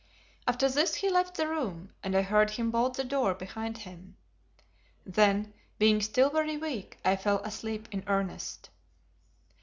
After this he left the room, and I heard him bolt the door behind him. Then, being still very weak, I fell asleep in earnest.